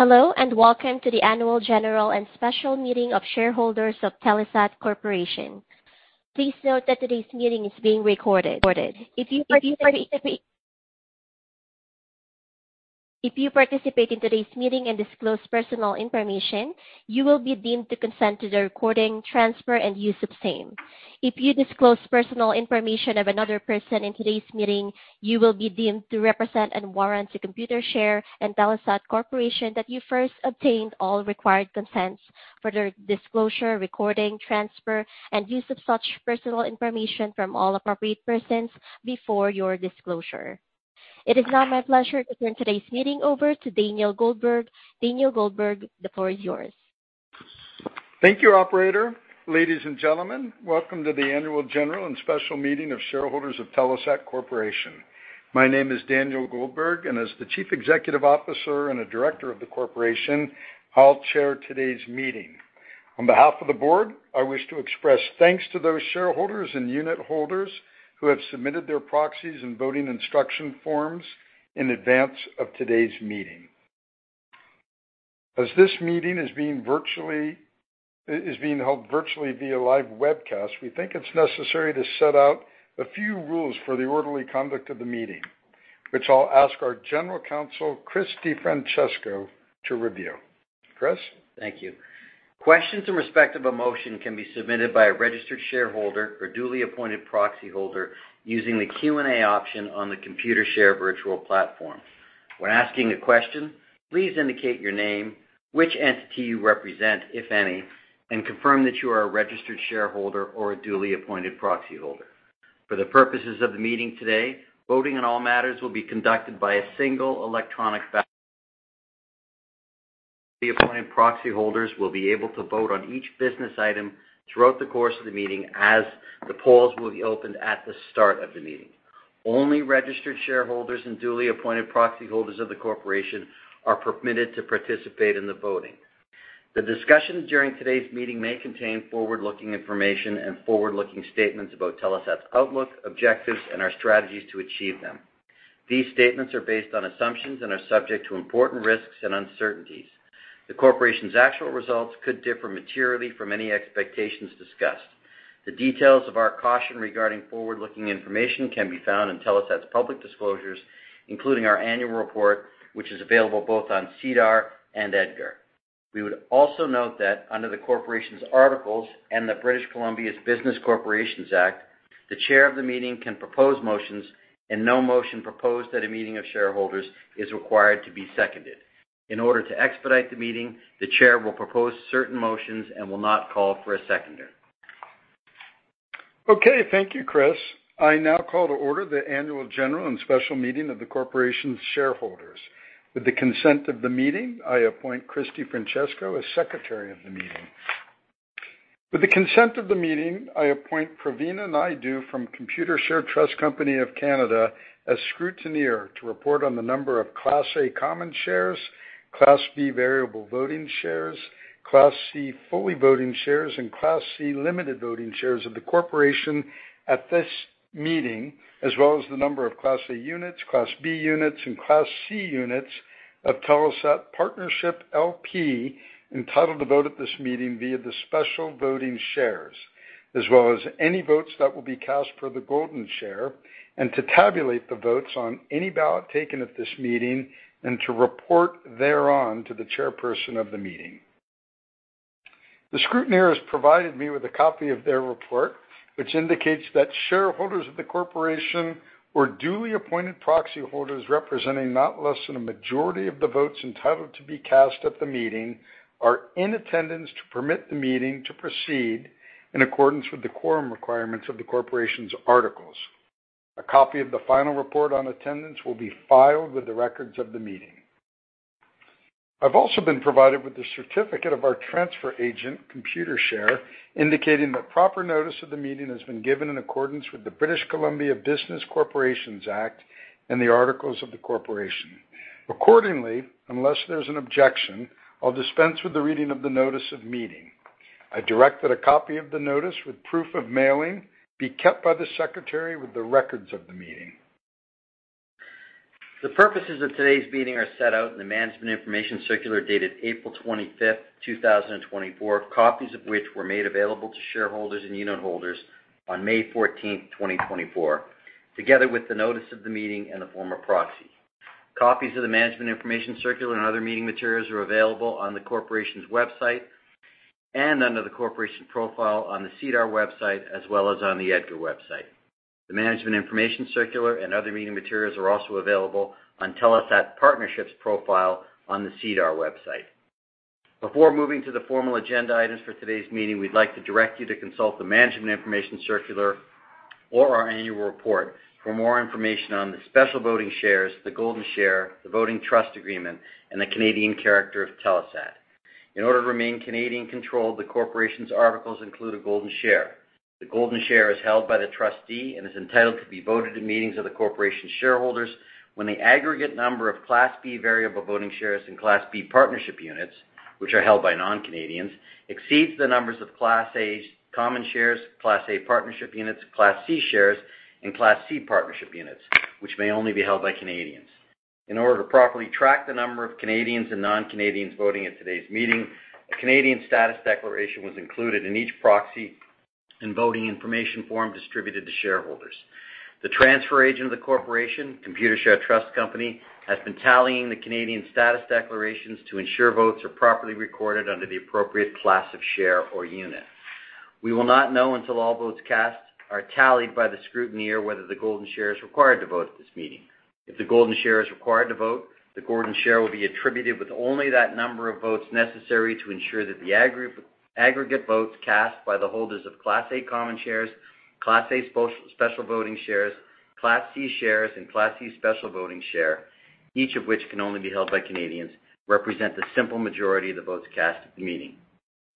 Hello and welcome to the Annual General and Special Meeting of Shareholders of Telesat Corporation. Please note that today's meeting is being recorded. If you participate in today's meeting and disclose personal information, you will be deemed to consent to the recording, transfer, and use of same. If you disclose personal information of another person in today's meeting, you will be deemed to represent and warrant Computershare and Telesat Corporation that you first obtained all required consents for the disclosure, recording, transfer, and use of such personal information from all appropriate persons before your disclosure. It is now my pleasure to turn today's meeting over to Daniel Goldberg. Daniel Goldberg, the floor is yours. Thank you, Operator. Ladies and gentlemen, welcome to the Annual General and Special Meeting of Shareholders of Telesat Corporation. My name is Daniel Goldberg, and as the Chief Executive Officer and a Director of the Corporation, I'll chair today's meeting. On behalf of the board, I wish to express thanks to those shareholders and unit holders who have submitted their proxies and voting instruction forms in advance of today's meeting. As this meeting is being held virtually via live webcast, we think it's necessary to set out a few rules for the orderly conduct of the meeting, which I'll ask our General Counsel, Chris DiFrancesco, to review. Chris? Thank you. Questions in respect of a motion can be submitted by a registered shareholder or duly appointed proxy holder using the Q&A option on the Computershare virtual platform. When asking a question, please indicate your name, which entity you represent, if any, and confirm that you are a registered shareholder or a duly appointed proxy holder. For the purposes of the meeting today, voting on all matters will be conducted by a single electronic ballot. The appointed proxy holders will be able to vote on each business item throughout the course of the meeting as the polls will be opened at the start of the meeting. Only registered shareholders and duly appointed proxy holders of the corporation are permitted to participate in the voting. The discussion during today's meeting may contain forward-looking information and forward-looking statements about Telesat's outlook, objectives, and our strategies to achieve them. These statements are based on assumptions and are subject to important risks and uncertainties. The corporation's actual results could differ materially from any expectations discussed. The details of our caution regarding forward-looking information can be found in Telesat's public disclosures, including our annual report, which is available both on SEDAR and EDGAR. We would also note that under the corporation's articles and the British Columbia Business Corporations Act, the chair of the meeting can propose motions, and no motion proposed at a meeting of shareholders is required to be seconded. In order to expedite the meeting, the chair will propose certain motions and will not call for a seconder. Okay. Thank you, Chris. I now call to order the Annual General and Special Meeting of the Corporation's Shareholders. With the consent of the meeting, I appoint Chris DiFrancesco as Secretary of the Meeting. With the consent of the meeting, I appoint Praveen Naidu from Computershare Trust Company of Canada as scrutineer to report on the number of Class A Common Shares, Class B Variable Voting Shares, Class C Fully Voting Shares, and Class C Limited Voting Shares of the corporation at this meeting, as well as the number of Class A Units, Class B Units, and Class C Units of Telesat Partnership LP entitled to vote at this meeting via the special voting shares, as well as any votes that will be cast for the Golden Share, and to tabulate the votes on any ballot taken at this meeting and to report thereon to the chairperson of the meeting. The scrutineer has provided me with a copy of their report, which indicates that shareholders of the corporation or duly appointed proxy holders representing not less than a majority of the votes entitled to be cast at the meeting are in attendance to permit the meeting to proceed in accordance with the quorum requirements of the corporation's articles. A copy of the final report on attendance will be filed with the records of the meeting. I've also been provided with the certificate of our transfer agent, Computershare, indicating that proper notice of the meeting has been given in accordance with the British Columbia Business Corporations Act and the articles of the corporation. Accordingly, unless there's an objection, I'll dispense with the reading of the notice of meeting. I direct that a copy of the notice with proof of mailing be kept by the secretary with the records of the meeting. The purposes of today's meeting are set out in the Management Information Circular dated April 25th, 2024, copies of which were made available to shareholders and unit holders on May 14th, 2024, together with the notice of the meeting and the form of proxy. Copies of the Management Information Circular and other meeting materials are available on the corporation's website and under the corporation profile on the SEDAR website, as well as on the EDGAR website. The Management Information Circular and other meeting materials are also available on Telesat Partnership's profile on the SEDAR website. Before moving to the formal agenda items for today's meeting, we'd like to direct you to consult the Management Information Circular or our annual report for more information on the special voting shares, the Golden Share, the voting trust agreement, and the Canadian character of Telesat. In order to remain Canadian-controlled, the corporation's articles include a Golden Share. The Golden Share is held by the trustee and is entitled to be voted in meetings of the corporation's shareholders when the aggregate number of Class B Variable Voting Shares and Class B Partnership Units, which are held by non-Canadians, exceeds the numbers of Class A Common Shares, Class A Partnership Units, Class C Shares, and Class C Partnership Units, which may only be held by Canadians. In order to properly track the number of Canadians and non-Canadians voting at today's meeting, a Canadian status declaration was included in each proxy and voting information form distributed to shareholders. The transfer agent of the corporation, Computershare Trust Company, has been tallying the Canadian status declarations to ensure votes are properly recorded under the appropriate class of share or unit. We will not know until all votes cast are tallied by the scrutineer whether the Golden Share is required to vote at this meeting. If the Golden Share is required to vote, the Golden Share will be attributed with only that number of votes necessary to ensure that the aggregate votes cast by the holders of Class A Common Shares, Class A Special Voting Shares, Class C Shares, and Class C Special Voting Share, each of which can only be held by Canadians, represent the simple majority of the votes cast at the meeting.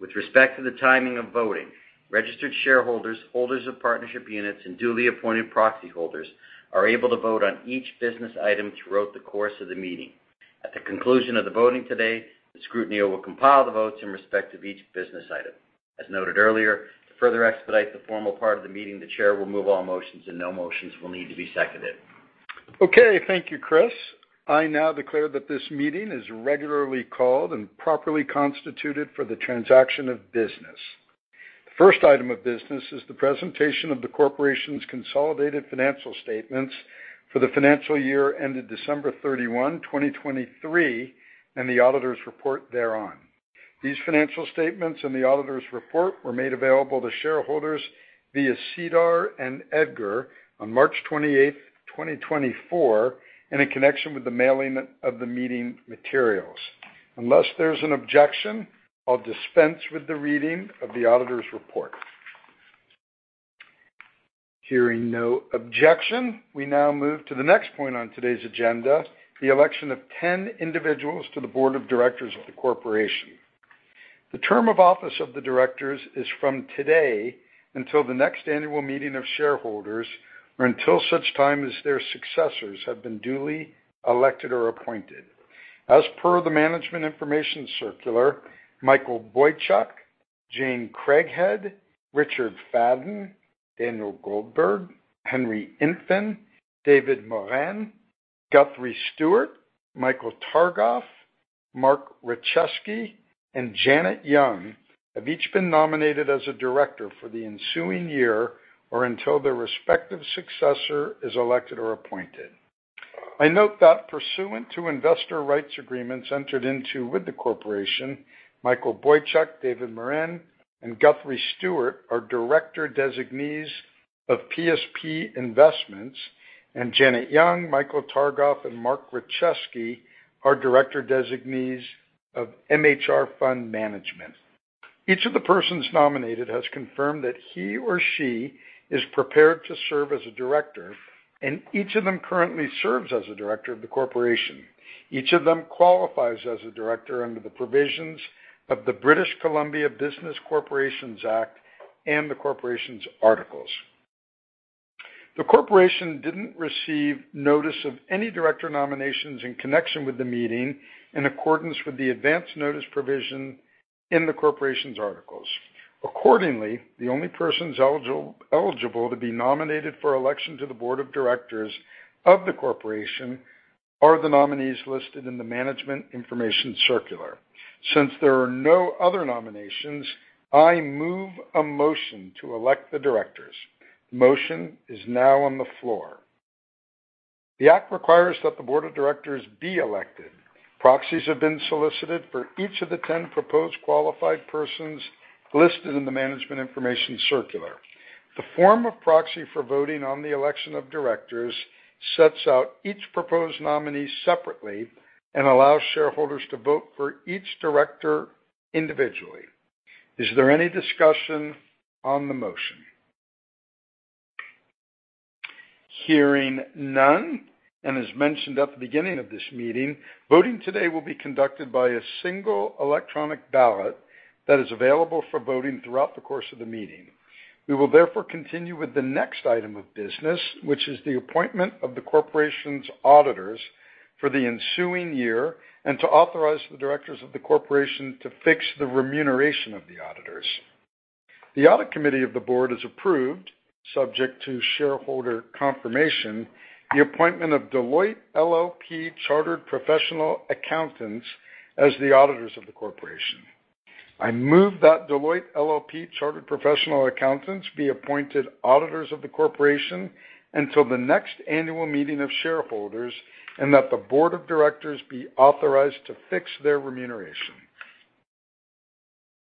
With respect to the timing of voting, registered shareholders, holders of partnership units, and duly appointed proxy holders are able to vote on each business item throughout the course of the meeting. At the conclusion of the voting today, the scrutineer will compile the votes in respect of each business item. As noted earlier, to further expedite the formal part of the meeting, the chair will move all motions, and no motions will need to be seconded. Okay. Thank you, Chris. I now declare that this meeting is regularly called and properly constituted for the transaction of business. The first item of business is the presentation of the corporation's consolidated financial statements for the financial year ended December 31, 2023, and the auditor's report thereon. These financial statements and the auditor's report were made available to shareholders via SEDAR and EDGAR on March 28th, 2024, in connection with the mailing of the meeting materials. Unless there's an objection, I'll dispense with the reading of the auditor's report. Hearing no objection, we now move to the next point on today's agenda, the election of 10 individuals to the board of directors of the corporation. The term of office of the directors is from today until the next annual meeting of shareholders or until such time as their successors have been duly elected or appointed. As per the Management Information Circular, Michael Boychuk, Jane Craighead, Richard Fadden, Daniel Goldberg, Henry Intven, David Morin, Guthrie Stewart, Michael Targoff, Mark Rachesky, and Janet Yeung have each been nominated as a director for the ensuing year or until their respective successor is elected or appointed. I note that pursuant to investor rights agreements entered into with the corporation, Michael Boychuk, David Morin, and Guthrie Stewart are director designees of PSP Investments, and Janet Yeung, Michael Targoff, and Mark Rachesky are director designees of MHR Fund Management. Each of the persons nominated has confirmed that he or she is prepared to serve as a director, and each of them currently serves as a director of the corporation. Each of them qualifies as a director under the provisions of the British Columbia Business Corporations Act and the corporation's articles. The corporation didn't receive notice of any director nominations in connection with the meeting in accordance with the advance notice provision in the corporation's articles. Accordingly, the only persons eligible to be nominated for election to the board of directors of the corporation are the nominees listed in the Management Information Circular. Since there are no other nominations, I move a motion to elect the directors. The motion is now on the floor. The act requires that the board of directors be elected. Proxies have been solicited for each of the 10 proposed qualified persons listed in the Management Information Circular. The form of proxy for voting on the election of directors sets out each proposed nominee separately and allows shareholders to vote for each director individually. Is there any discussion on the motion? Hearing none. As mentioned at the beginning of this meeting, voting today will be conducted by a single electronic ballot that is available for voting throughout the course of the meeting. We will therefore continue with the next item of business, which is the appointment of the corporation's auditors for the ensuing year and to authorize the directors of the corporation to fix the remuneration of the auditors. The audit committee of the board has approved, subject to shareholder confirmation, the appointment of Deloitte LLP Chartered Professional Accountants as the auditors of the corporation. I move that Deloitte LLP Chartered Professional Accountants be appointed auditors of the corporation until the next annual meeting of shareholders and that the board of directors be authorized to fix their remuneration.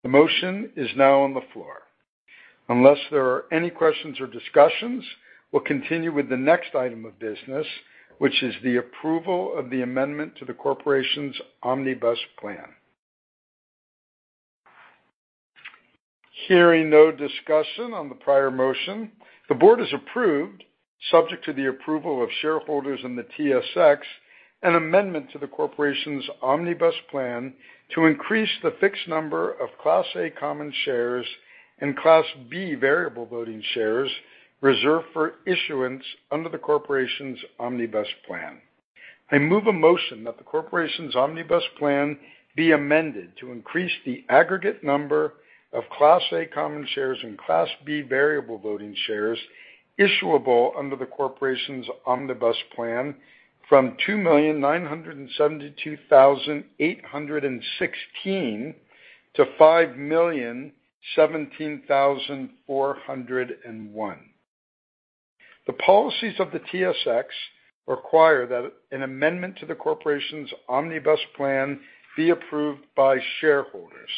The motion is now on the floor. Unless there are any questions or discussions, we'll continue with the next item of business, which is the approval of the amendment to the corporation's Omnibus Plan. Hearing no discussion on the prior motion, the board has approved, subject to the approval of shareholders and the TSX, an amendment to the corporation's Omnibus Plan to increase the fixed number of Class A Common Shares and Class B Variable Voting Shares reserved for issuance under the corporation's Omnibus Plan. I move a motion that the corporation's Omnibus Plan be amended to increase the aggregate number of Class A Common Shares and Class B Variable Voting Shares issuable under the corporation's Omnibus Plan from 2,972,816 to 5,017,401. The policies of the TSX require that an amendment to the corporation's Omnibus Plan be approved by shareholders.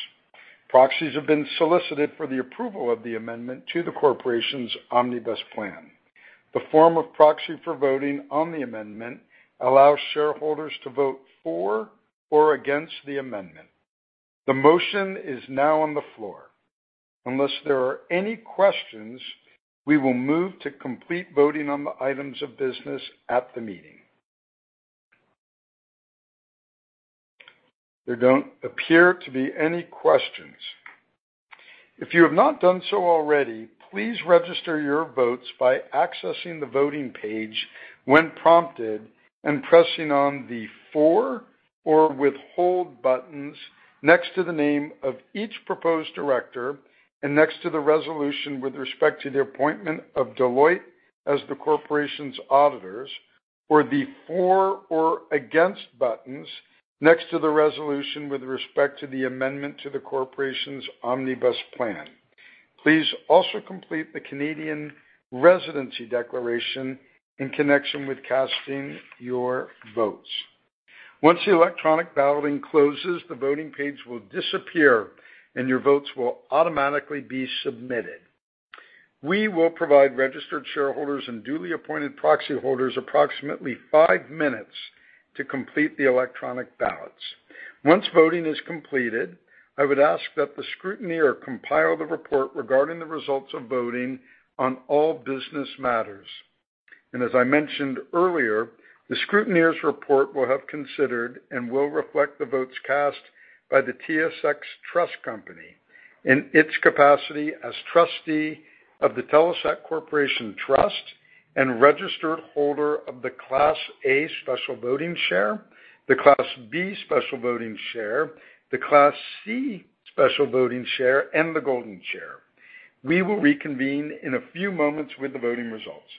Proxies have been solicited for the approval of the amendment to the corporation's Omnibus Plan. The form of proxy for voting on the amendment allows shareholders to vote for or against the amendment. The motion is now on the floor. Unless there are any questions, we will move to complete voting on the items of business at the meeting. There don't appear to be any questions. If you have not done so already, please register your votes by accessing the voting page when prompted and pressing on the for or withhold buttons next to the name of each proposed director and next to the resolution with respect to the appointment of Deloitte as the corporation's auditors or the for or against buttons next to the resolution with respect to the amendment to the corporation's Omnibus Plan. Please also complete the Canadian residency declaration in connection with casting your votes. Once the electronic balloting closes, the voting page will disappear and your votes will automatically be submitted. We will provide registered shareholders and duly appointed proxy holders approximately five minutes to complete the electronic ballots. Once voting is completed, I would ask that the scrutineer compile the report regarding the results of voting on all business matters. And as I mentioned earlier, the scrutineer's report will have considered and will reflect the votes cast by the TSX Trust Company in its capacity as trustee of the Telesat Corporation Trust and registered holder of the Class A Special Voting Share, the Class B Special Voting Share, the Class C Special Voting Share, and the Golden Share. We will reconvene in a few moments with the voting results.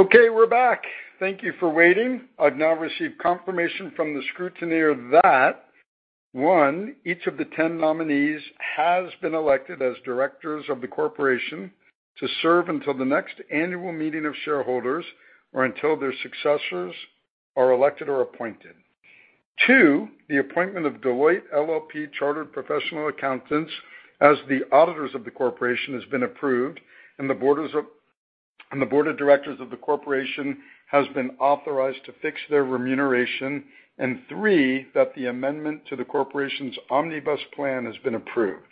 Okay. We're back. Thank you for waiting. I've now received confirmation from the scrutineer that, one, each of the 10 nominees has been elected as directors of the corporation to serve until the next annual meeting of shareholders or until their successors are elected or appointed. two, the appointment of Deloitte LLP Chartered Professional Accountants as the auditors of the corporation has been approved, and the board of directors of the corporation has been authorized to fix their remuneration. And three, that the amendment to the corporation's Omnibus Plan has been approved.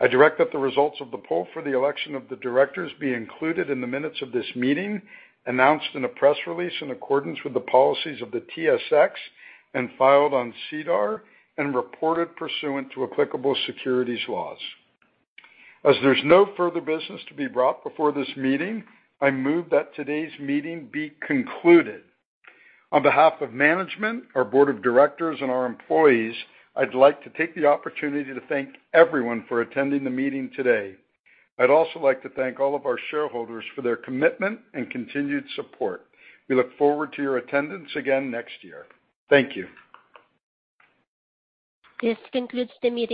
I direct that the results of the poll for the election of the directors be included in the minutes of this meeting, announced in a press release in accordance with the policies of the TSX, and filed on SEDAR, and reported pursuant to applicable securities laws. As there's no further business to be brought before this meeting, I move that today's meeting be concluded. On behalf of management, our board of directors, and our employees, I'd like to take the opportunity to thank everyone for attending the meeting today. I'd also like to thank all of our shareholders for their commitment and continued support. We look forward to your attendance again next year. Thank you. This concludes the.